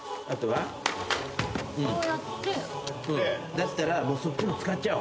だったらそっちも使っちゃおう。